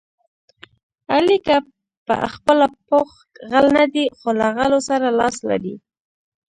علي که په خپله پوخ غل نه دی، خو له غلو سره لاس لري.